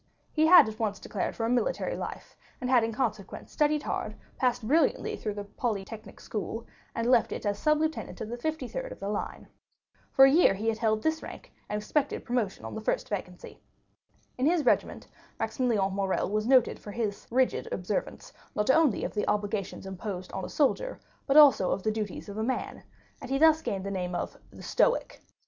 He had at once declared for a military life, and had in consequence studied hard, passed brilliantly through the Polytechnic School, and left it as sub lieutenant of the 53rd of the line. For a year he had held this rank, and expected promotion on the first vacancy. In his regiment Maximilian Morrel was noted for his rigid observance, not only of the obligations imposed on a soldier, but also of the duties of a man; and he thus gained the name of "the stoic."